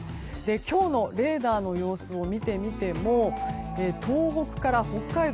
今日のレーダーの様子を見てみても東北から北海道